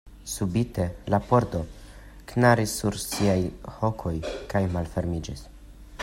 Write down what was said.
Subite la pordo knaris sur siaj hokoj kaj malfermiĝis.